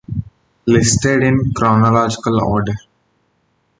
Listed in chronological order.